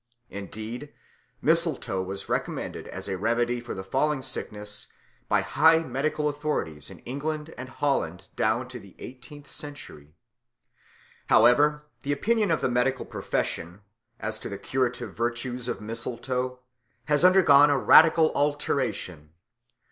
Indeed mistletoe was recommended as a remedy for the falling sickness by high medical authorities in England and Holland down to the eighteenth century. However, the opinion of the medical profession as to the curative virtues of mistletoe has undergone a radical alteration.